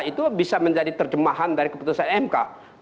itu bisa menjadi terjemahan dari keputusan mk